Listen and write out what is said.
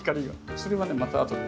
それはねまた後で。